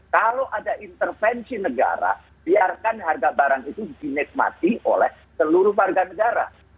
kalau ada intervensi negara biarkan harga barang itu dinikmati oleh seluruh warga negara